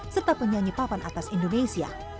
serta penyanyi papan atas indonesia